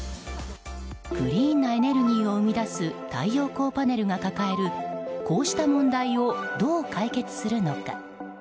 クリーンなエネルギーを生み出す太陽光パネルが抱えるこうした問題をどう解決するのか。